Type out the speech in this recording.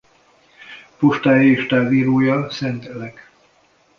Postája és távírója Szt.-Elek.